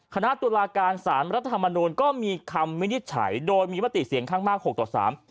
คณะตุลาการสารรัฐธรรมนูลก็มีคำวินิจฉัยโดยมีมติเสียงข้างมากหกต่อสาม